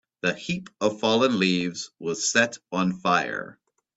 The heap of fallen leaves was set on fire.